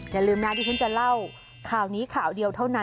อย่าลืมนะที่ฉันจะเล่าข่าวนี้ข่าวเดียวเท่านั้น